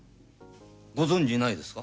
ご存じないですか？